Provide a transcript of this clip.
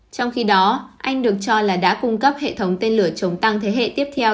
trong khi đó anh được cho là đã cung cấp hệ thống tên lửa chống tăng thế hệ tiếp theo